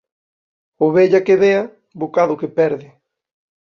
Ovella que bea, bocado que perde